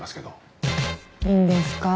いいんですか？